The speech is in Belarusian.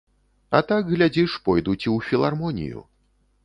А так, глядзіш, пойдуць і ў філармонію.